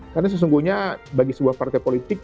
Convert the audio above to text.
karena sesungguhnya bagi sebuah partai politik